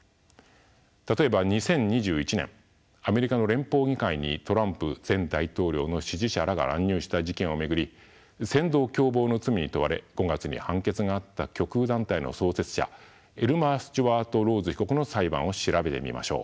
例えば２０２１年アメリカの連邦議会にトランプ前大統領の支持者らが乱入した事件を巡り扇動共謀の罪に問われ５月に判決があった極右団体の創設者エルマー・スチュワート・ローズ被告の裁判を調べてみましょう。